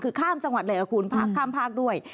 คือข้ามจังหวัดเลยกับคุณข้ามภาคด้วย